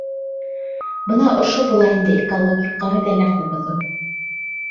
Бына ошо була инде экологик ҡағиҙәләрҙе боҙоу.